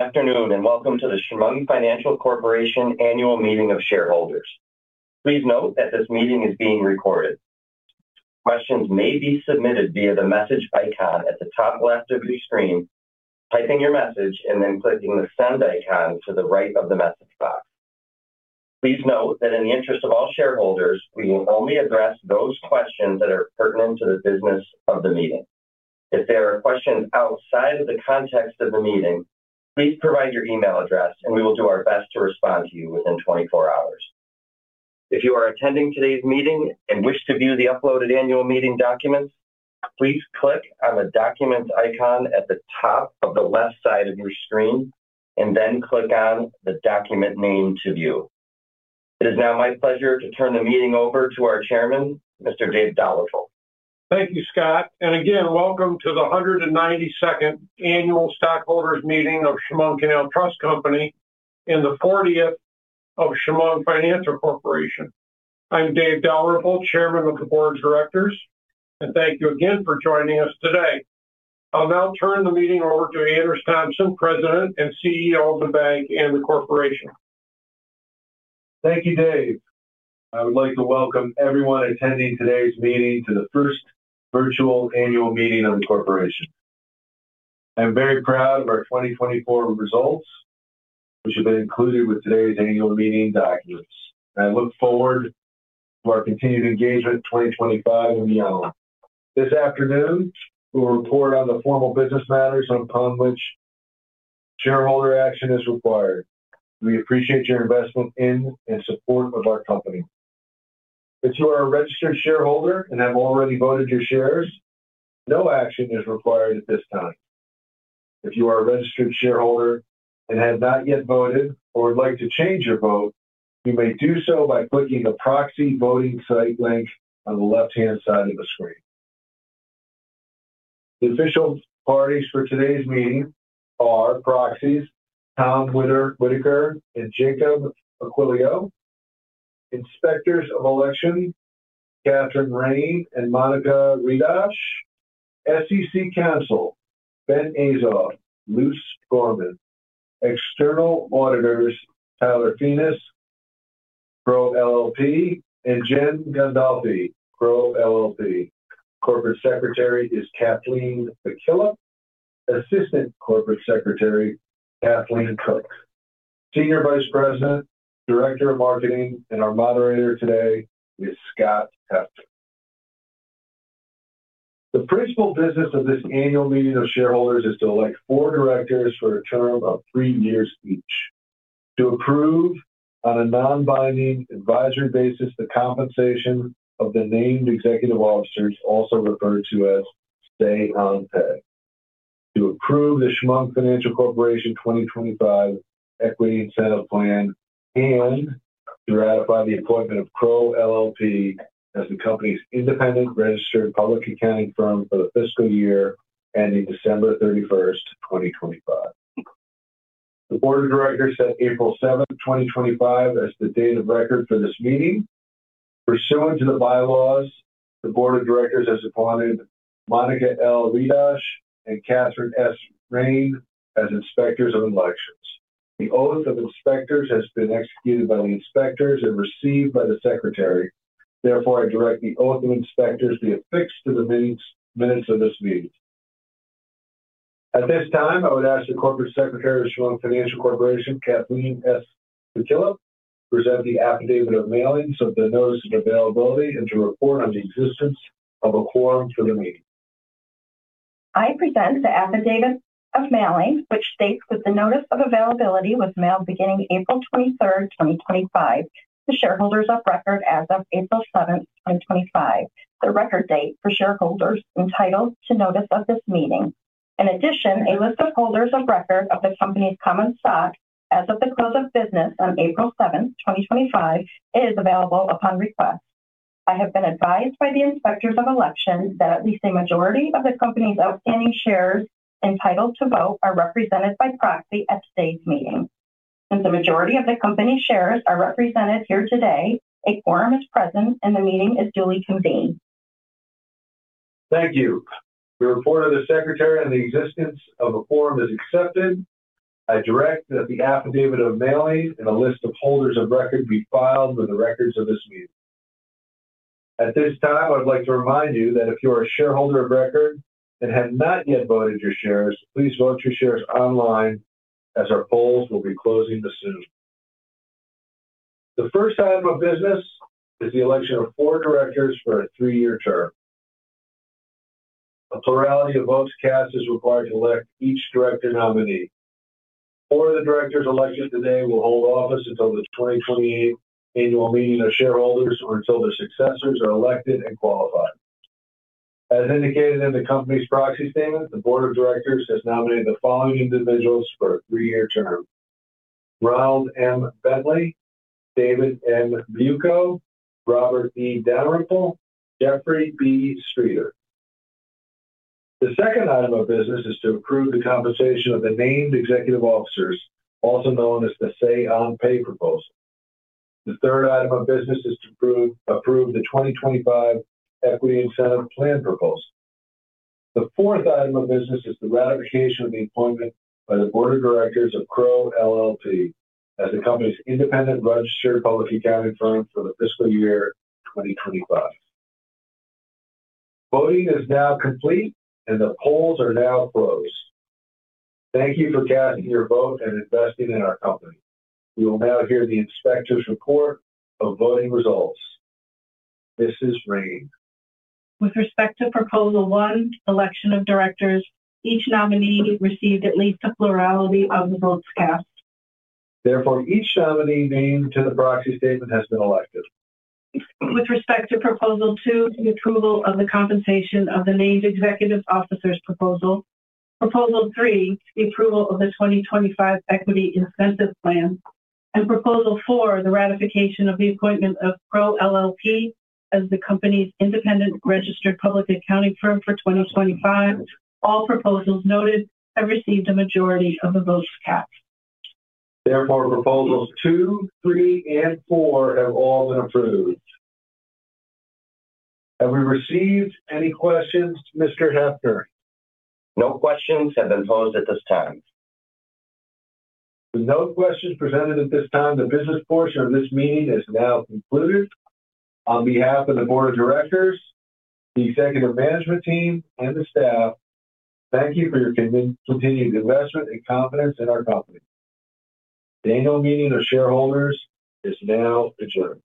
Afternoon, and welcome to the Chemung Financial Corporation Annual Meeting of Shareholders. Please note that this meeting is being recorded. Questions may be submitted via the message icon at the top left of your screen, typing your message, and then clicking the send icon to the right of the message box. Please note that in the interest of all shareholders, we will only address those questions that are pertinent to the business of the meeting. If there are questions outside of the context of the meeting, please provide your email address, and we will do our best to respond to you within 24 hours. If you are attending today's meeting and wish to view the uploaded annual meeting documents, please click on the documents icon at the top of the left side of your screen, and then click on the document name to view. It is now my pleasure to turn the meeting over to our Chairman, Mr. Dave Dalrymple. Thank you, Scott. Again, welcome to the 192nd Annual Stockholders Meeting of Chemung Canal Trust Company and the 40th of Chemung Financial Corporation. I'm Dave Dalrymple, Chairman of the Board of Directors, and thank you again for joining us today. I'll now turn the meeting over to Anders Tomson, President and CEO of the bank and the corporation. Thank you, Dave. I would like to welcome everyone attending today's meeting to the first virtual annual meeting of the corporation. I'm very proud of our 2024 results, which have been included with today's annual meeting documents. I look forward to our continued engagement in 2025 and beyond. This afternoon, we'll report on the formal business matters upon which shareholder action is required. We appreciate your investment in and support of our company. If you are a registered shareholder and have already voted your shares, no action is required at this time. If you are a registered shareholder and have not yet voted or would like to change your vote, you may do so by clicking the proxy voting site link on the left-hand side of the screen. The official parties for today's meeting are proxies Tom Whitaker and Jacob Aquilio, inspectors of election Kathryn Rayne and Monica Ridosh, SEC counsel Ben Azoff, Luse Gorman, external auditors Tyler Pheanis, Crowe LLP, and Jen Gandolfi, Crowe LLP. Corporate Secretary is Kathleen McKillip, Assistant Corporate Secretary Kathleen Cook. Senior Vice President, Director of Marketing, and our moderator today is Scott Heffner. The principal business of this annual meeting of shareholders is to elect four directors for a term of three years each, to approve on a non-binding advisory basis the compensation of the named executive officers, also referred to as say-on-pay, to approve the Chemung Financial Corporation 2025 equity incentive plan, and to ratify the appointment of Crowe LLP as the company's independent registered public accounting firm for the fiscal year ending December 31, 2025. The board of directors set April 7th, 2025, as the date of record for this meeting. Pursuant to the bylaws, the board of directors has appointed Monica L. Ridosh and Kathryn S. Rayne as inspectors of elections. The oath of inspectors has been executed by the inspectors and received by the secretary. Therefore, I direct the oath of inspectors be affixed to the minutes of this meeting. At this time, I would ask the corporate secretary of Chemung Financial Corporation, Kathleen S. McKillip, to present the affidavit of mailing of the notice of availability and to report on the existence of a quorum for the meeting. I present the affidavit of mailing, which states that the notice of availability was mailed beginning April 23rd, 2025, to shareholders of record as of April 7, 2025, the record date for shareholders entitled to notice of this meeting. In addition, a list of holders of record of the company's common stock as of the close of business on April 7, 2025, is available upon request. I have been advised by the inspectors of election that at least a majority of the company's outstanding shares entitled to vote are represented by proxy at today's meeting. Since a majority of the company's shares are represented here today, a quorum is present and the meeting is duly convened. Thank you. We report to the secretary and the existence of a quorum is accepted. I direct that the affidavit of mailing and a list of holders of record be filed with the records of this meeting. At this time, I would like to remind you that if you are a shareholder of record and have not yet voted your shares, please vote your shares online as our polls will be closing soon. The first item of business is the election of four directors for a three-year term. A plurality of votes cast is required to elect each director nominee. Four of the directors elected today will hold office until the 2028 annual meeting of shareholders or until their successors are elected and qualified. As indicated in the company's proxy statement, the board of directors has nominated the following individuals for a three-year term: Ronald M. Bentley, David M. Buicko, Robert H. Dalrymple, Jeffrey B. Streeter. The second item of business is to approve the compensation of the named executive officers, also known as the say-on-pay proposal. The third item of business is to approve the 2025 equity incentive plan proposal. The fourth item of business is the ratification of the appointment by the board of directors of Crowe LLP as the company's independent registered public accounting firm for the fiscal year 2025. Voting is now complete and the polls are now closed. Thank you for casting your vote and investing in our company. We will now hear the inspectors' report of voting results. Mrs. Rayne. With respect to proposal one, election of directors, each nominee received at least a plurality of the votes cast. Therefore, each nominee named to the proxy statement has been elected. With respect to proposal two, the approval of the compensation of the named executive officers' proposal, proposal three, the approval of the 2025 equity incentive plan, and proposal four, the ratification of the appointment of Crowe LLP as the company's independent registered public accounting firm for 2025, all proposals noted have received a majority of the votes cast. Therefore, proposals two, three, and four have all been approved. Have we received any questions, Mr. Hester? No questions have been posed at this time. With no questions presented at this time, the business portion of this meeting is now concluded. On behalf of the board of directors, the executive management team, and the staff, thank you for your continued investment and confidence in our company. The annual meeting of shareholders is now adjourned.